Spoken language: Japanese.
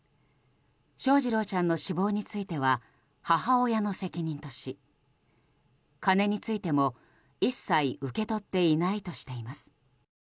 翔士郎ちゃんの死亡については母親の責任とし金についても、一切受け取っていないとしています。